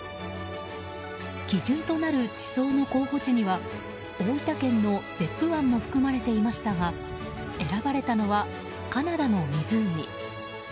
基準となる地層の候補地には大分県の別府湾も含まれていましたが選ばれたのは、カナダの湖。